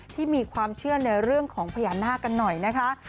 ที่มีความเชื่อในเรื่องของพญานาคกันหน่อยนะคะ